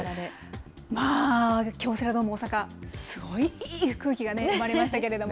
まあ、京セラドーム大阪、すごいいい空気が生まれましたけれども。